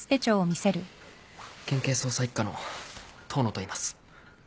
県警捜査一課の遠野といいます。